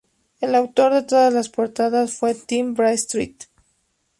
El autor de todas las portadas fue Tim Bradstreet.